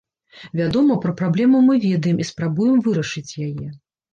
Вядома, пра праблему мы ведаем і спрабуем вырашыць яе.